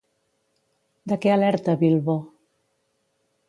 De què alerta Bilbo?